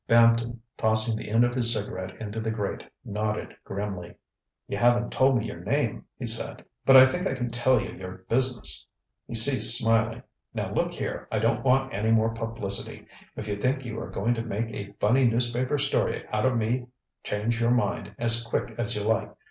Bampton, tossing the end of his cigarette into the grate, nodded grimly. ŌĆ£You haven't told me your name, ŌĆØ he said, ŌĆ£but I think I can tell you your business. ŌĆØ He ceased smiling. ŌĆ£Now look here, I don't want any more publicity. If you think you are going to make a funny newspaper story out of me change your mind as quick as you like.